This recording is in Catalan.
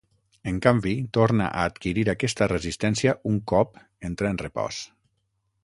En canvi, torna a adquirir aquesta resistència un cop entra en repòs.